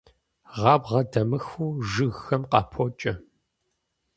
Гъабгъэ дамыхыу жыгхэм къапокӀэ.